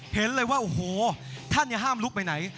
เห็นเลยว่าโอ้โหท่านห้ามลุกไปไหน